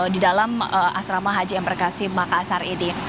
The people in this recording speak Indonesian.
di dalam asrama haji embarkasi makassar ini